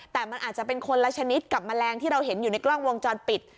แต่มันอาจจะเป็นคนละชนิดกับแมลงที่เราเห็นอยู่ในกล้องวงจรปิด